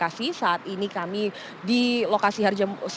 jadi lrt saat ini memang sudah membuka dua lintas yakni lintas cibubur dan lintas lrt